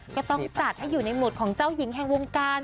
ก็ต้องจัดให้อยู่ในหุดของเจ้าหญิงแห่งวงการ